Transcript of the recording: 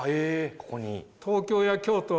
ここに？